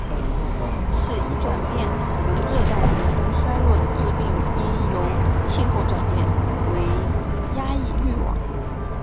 此一转变使得热带神经衰弱的致病因由气候转变为压抑欲望。